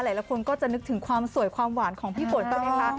หลายคนก็จะนึกถึงความสวยความหวานของพี่ฝนตอนนี้คะ